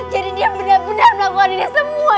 jadi dia benar benar melakukan ini semua